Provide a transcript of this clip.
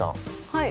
はい。